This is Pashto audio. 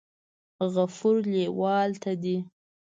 غفور لیوال ته دې